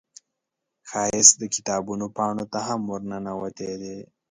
ښایست د کتابونو پاڼو ته هم ورننوتی دی